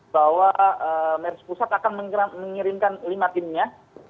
bahwa mersi pusat akan mengirimkan lima timnya